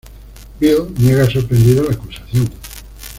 Bill niega sorprendido la acusación.